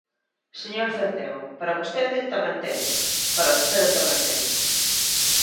Señor Centeo, para vostede tamén teño, para vostede tamén teño.